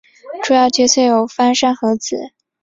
主要角色有芳山和子。